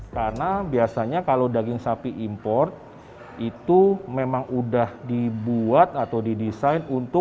karena biasanya kalau daging sapi impor itu memang udah dibuat atau didesain untuk